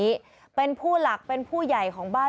และความสุขของคุณค่ะ